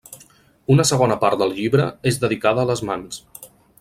Una segona part del llibre és dedicada a les mans.